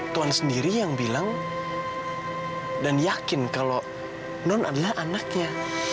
tuhan sendiri yang bilang dan yakin kalau non adalah anaknya